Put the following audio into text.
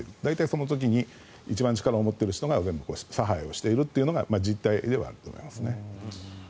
その時に一番力を持っている人が差配をしているというのが実態ではあると思います。